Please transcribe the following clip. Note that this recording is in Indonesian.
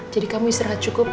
jadi kamu istirahat cukup